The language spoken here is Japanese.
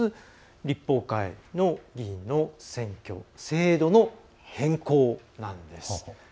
立法会の議員の制度の変更なんです。